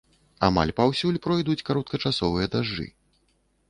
Амаль паўсюль пройдуць кароткачасовыя дажджы.